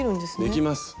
できます。